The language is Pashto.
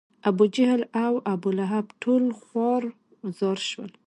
ابوجهل او ابولهب ټول خوار و زار شول.